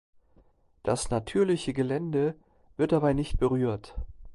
Das natürliche Gelände wird dabei nicht berührt.